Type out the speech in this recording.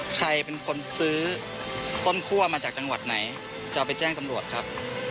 ใครเป็นคนซื้อต้นคั่วมาจากจังหวัดไหนจะเอาไปแจ้งตำรวจครับ